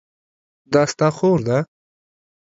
دا ستا خور ده؟